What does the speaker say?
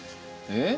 え？